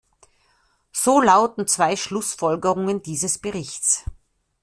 So lauten zwei Schlussfolgerungen dieses Berichts.